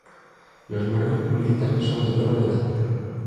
Los marcos publicitarios son de color dorado.